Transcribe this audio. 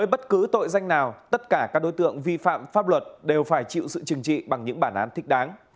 bất cứ tội danh nào tất cả các đối tượng vi phạm pháp luật đều phải chịu sự chừng trị bằng những bản án thích đáng